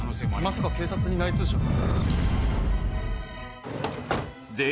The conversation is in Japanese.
まさか警察に内通者が？